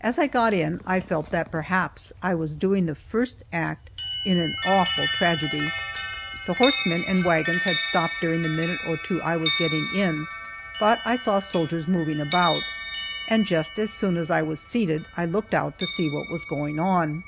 As I got in, I felt that perhaps I was doing the first act in an awful tragedy. The horsemen and wagons had stopped during the minute or two I was getting in, but I saw soldiers moving about, and just as soon as I was seated I looked out to see what was going on.